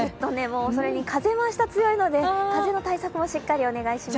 それに風も明日強いので、風の対策もしっかりお願いします。